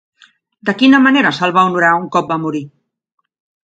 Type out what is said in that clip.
De quina manera se'l va honorar un cop va morir?